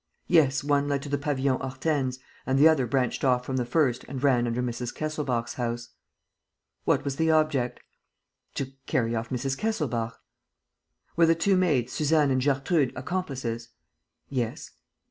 "Yes, one led to the Pavillon Hortense and the other branched off from the first and ran under Mrs. Kesselbach's house." "What was the object?" "To carry off Mrs. Kesselbach." "Were the two maids, Suzanne and Gertrude, accomplices?" "Yes."